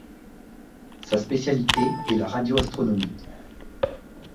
Sa spécialité est la radio-astronomie.